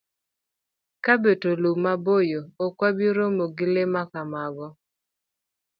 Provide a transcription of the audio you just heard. Ka beto lum maboyo, ok wabi romo gi le ma kamago.